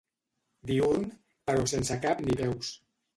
Diürn, però sense cap ni peus.